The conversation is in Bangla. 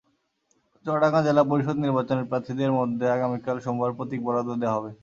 চুয়াডাঙ্গা জেলা পরিষদ নির্বাচনে প্রার্থীদের মধ্যে আগামীকাল সোমবার প্রতীক বরাদ্দ দেওয়া হবে।